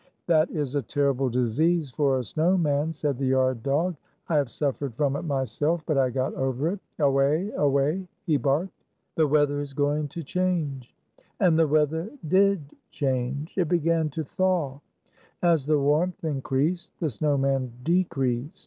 "That is a terrible disease for a snow man," said the yard dog. " I have suffered from it myself, but I got over it. Away! Away!" he barked. "The weather is going to change." And the weather did change; it began to thaw. As the warmth increased, the snow man decreased.